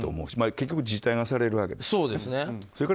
結局、自治体がされるわけですから。